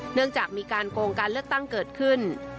เนื่องจากมีการโกงการเลือกตั้งเกิดขึ้น